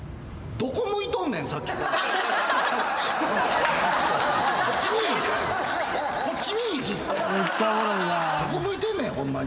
どこ向いてんねんホンマに。